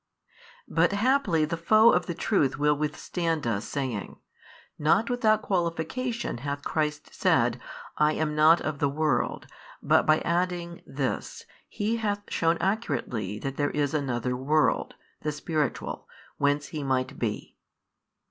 But haply the foe of the Truth will withstand us saying, "Not without qualification hath Christ said, I am not of the world, but by adding This, He hath shewn accurately |587 that there is another world, the spiritual, whence He might be."